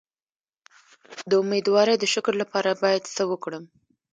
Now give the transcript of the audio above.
د امیدوارۍ د شکر لپاره باید څه وکړم؟